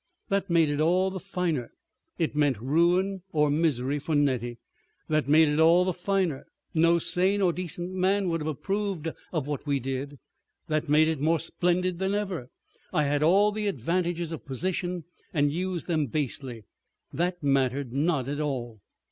That made it all the finer. It meant ruin or misery for Nettie. That made it all the finer. No sane or decent man would have approved of what we did. That made it more splendid than ever. I had all the advantages of position and used them basely. That mattered not at all."